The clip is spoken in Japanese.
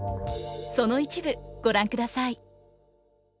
その一部ご覧ください。